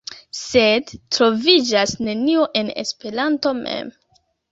Sed troviĝas nenio en Esperanto mem.